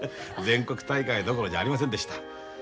全国大会どころじゃありませんでした。